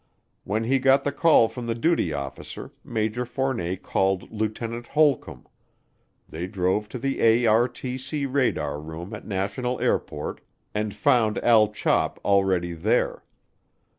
When he got the call from the duty officer Major Fournet called Lieutenant Holcomb; they drove to the ARTC radar room at National Airport and found Al Chop already there.